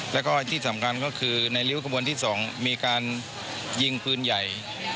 แล้วก็ที่สำคัญก็คือในริ้วขบวนที่๒มีการยิงปืนใหญ่